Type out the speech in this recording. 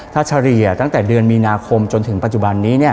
ถ้าเฉลี่ยตั้งแต่เดือนมีนาคมจนถึงปัจจุบันนี้